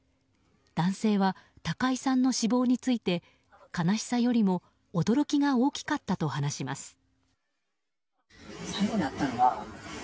男性は、高井さんの死亡について悲しさよりも驚きが大きかったと話します。